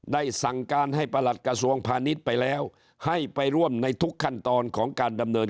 ได้สั่งการให้ประหลัดกระทรวงพาณิชย์ไปแล้วให้ไปร่วมในทุกขั้นตอนของการดำเนิน